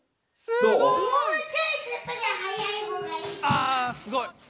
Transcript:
あすごい！